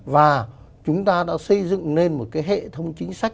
và chúng ta đã xây dựng lên một hệ thống chính sách